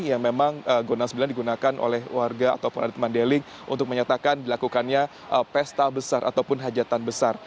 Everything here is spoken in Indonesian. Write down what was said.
yang memang gondang sembilan digunakan oleh warga ataupun adat mandailing untuk menyatakan dilakukannya pesta besar ataupun hajatan besar